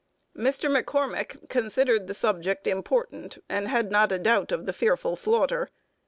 Mr. McCormick considered the subject important, and had not a doubt of the fearful slaughter.